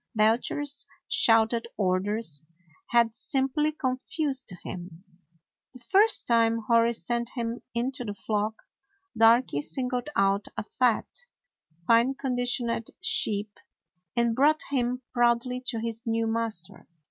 Belcher's shouted orders had simply confused him. The first time Hori sent him into the flock, Darky singled out a fat, fine conditioned sheep and brought him proudly to his new master.